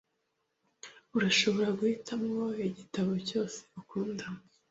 Urashobora guhitamo igitabo cyose ukunda.